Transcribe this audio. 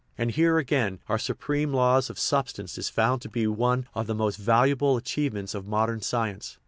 And here, again, our supreme law of substance is found to be one of the most valuable achievements of modern science.